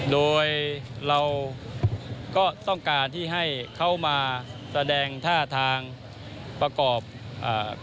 โดยเราก็ต้องการที่ให้เขามาแสดงท่าทางประกอบการรับสารภาพ